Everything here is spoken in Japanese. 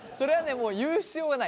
もう言う必要がない。